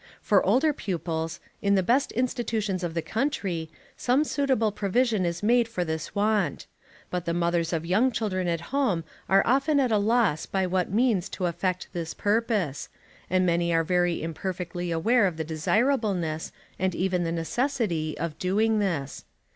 For older pupils, in the best institutions of the country, some suitable provision is made for this want; but the mothers of young children at home are often at a loss by what means to effect this purpose, and many are very imperfectly aware of the desirableness, and even the necessity, of doing this.